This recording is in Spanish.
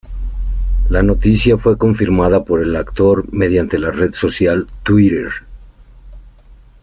La noticia fue confirmada por el actor mediante la red social, Twitter.